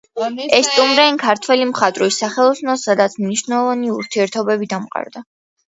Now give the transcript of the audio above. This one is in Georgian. ესტუმრნენ ქართველი მხატვრის სახელოსნოს, სადაც მნიშვნელოვანი ურთიერთობები დამყარდა.